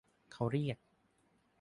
เค้าเรียก